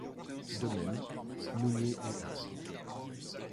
De même, Mounier et al.